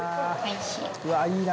「うわっいいな」